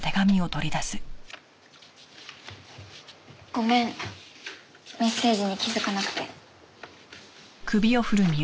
ごめんメッセージに気づかなくて。